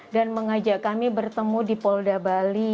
dan mengajak kami bertemu di polda bali